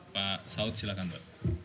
pak saud silakan pak